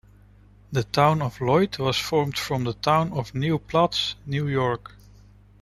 The town of Lloyd was formed from the town of New Paltz, New York.